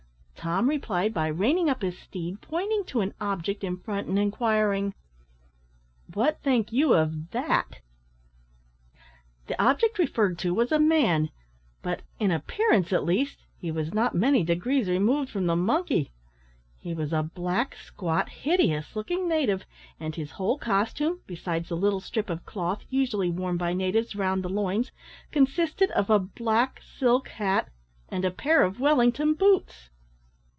Tom replied by reining up his steed, pointing to an object in front, and inquiring, "What think you of that?" The object referred to was a man, but, in appearance at least, he was not many degrees removed from the monkey. He was a black, squat, hideous looking native, and his whole costume, besides the little strip of cloth usually worn by natives round the loins, consisted of a black silk hat and a pair of Wellington boots!